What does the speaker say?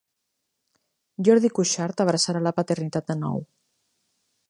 Jordi Cuixart abraçarà la paternitat de nou